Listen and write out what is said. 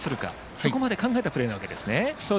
そこまで考えたプレーですね。